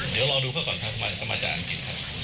เดี๋ยวรอดูก่อนครับมาจากอังกฤษครับ